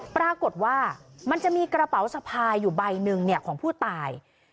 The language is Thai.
ปรากฏว่ามันจะมีกระเป๋าสะพายอยู่ใบหนึ่งของผู้ตาย